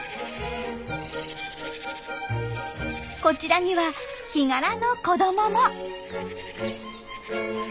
こちらにはヒガラの子どもも。